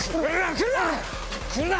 来るな！